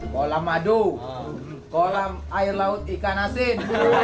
kolam madu kolam air laut ikan asin